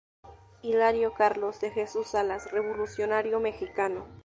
Hilario Carlos de Jesús Salas -Revolucionario mexicano-.